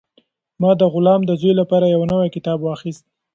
ما د غلام د زوی لپاره یو نوی کتاب واخیست.